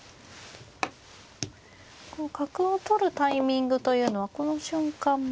こう角を取るタイミングというのはこの瞬間も。